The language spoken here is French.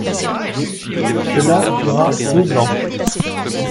Cela dura deux ans.